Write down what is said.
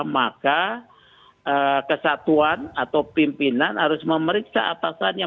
maka kesatuan atau pimpinan harus memeriksa atasannya